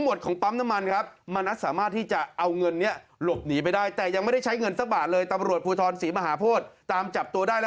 ให้แบงค์มันติดขึ้นมา